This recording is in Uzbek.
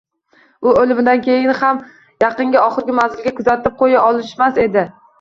Ular o`limidan keyin ham yaqini oxirgi manzilga kuzatib qo`ya olishmas edi